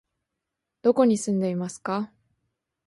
どこに住んでいますか？